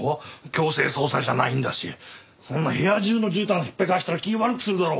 強制捜査じゃないんだしそんな部屋中の絨毯引っ剥がしたら気ぃ悪くするだろ。